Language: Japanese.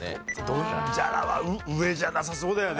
ドンジャラは上じゃなさそうだよね。